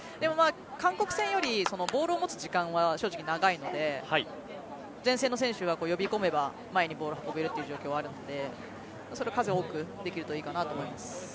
韓国戦よりボールを持つ時間は正直、長いので前線の選手が呼び込めば前にボールを運べるという状況はあるのでそれを数多くできるといいなと思います。